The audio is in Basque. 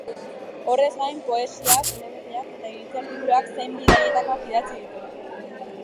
Horrez gain, poesiak, eleberriak eta iritzi artikuluak zein bidaietakoak idatzi ditu.